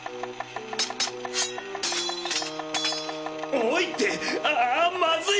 おいってあまずい！